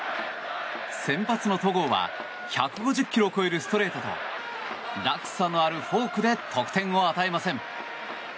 先発の戸郷は１５０ｋｍを超えるストレートと落差のあるフォークで得点を与えません。